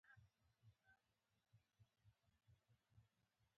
مونږ ټول وخت ناوخته غصه کوو.